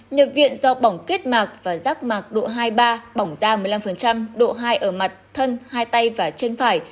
nhập viện do bỏng kết mạc và rác mạc độ hai ba bỏng da một mươi năm độ hai ở mặt thân hai tay và chân phải